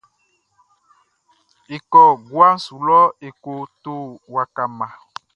E kɔ guaʼn su lɔ e ko to waka mma.